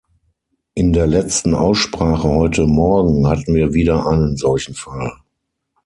In der letzten Aussprache heute Morgen hatten wir wieder einen solchen Fall.